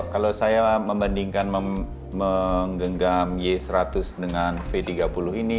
kalau saya membandingkan menggenggam y seratus dengan v tiga puluh ini